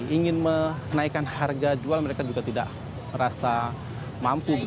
jadi ingin menaikkan harga jual mereka juga tidak merasa mampu